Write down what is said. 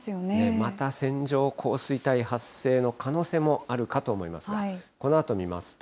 また線状降水帯発生の可能性もあるかと思いますが、このあと見ますと。